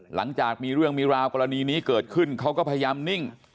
หลังจากมีเรื่องมีราวกรณีนี้เกิดขึ้นเขาก็พยายามนิ่ง